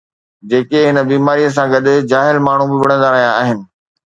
جيڪي هن بيماريءَ سان گڏ جاهل ماڻهو به وڙهندا رهيا آهن